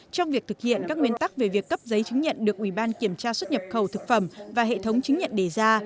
trong việc thực hiện các nguyên tắc về việc cấp giấy chứng nhận được ủy ban kiểm tra xuất nhập khẩu thực phẩm và hệ thống chứng nhận đề ra